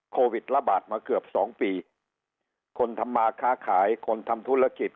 โควิดระบาดมาเกือบสองปีคนทำมาค้าขายคนทำธุรกิจ